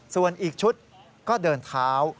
ส่วนอีกชุดก็เดินเท้า